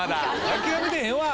諦めてへんわ！